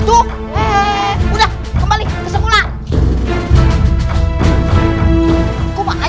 udah kembali kesemula